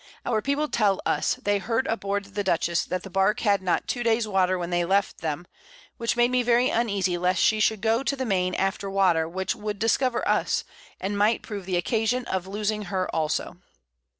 Our People tell us, they heard aboard the Dutchess, that the Bark had not 2 Days Water when they left them, which made me very uneasy lest she should go to the Main after Water, which would discover us, and might prove the Occasion of losing her also.